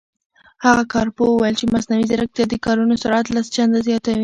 هغه کارپوه وویل چې مصنوعي ځیرکتیا د کارونو سرعت لس چنده زیاتوي.